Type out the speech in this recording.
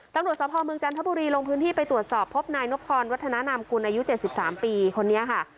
ตำรวจสภเมืองจันทบุรีลงพื้นที่ไปตรวจสอบพบนายนพรวัฒนานามกุลอายุ๗๓ปีคนนี้ค่ะ